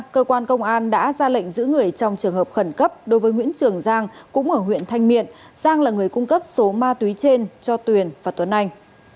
cơ quan công an đã ra lệnh giữ người trong trường hợp khẩn cấp đối với nguyễn trường giang cũng ở huyện thanh miện giang là người cung cấp số ma túy trên cho tuyền và tuấn anh